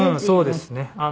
そうですね。